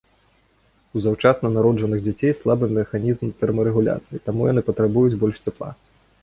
У заўчасна народжаных дзяцей слабы механізм тэрмарэгуляцыі, таму яны патрабуюць больш цяпла.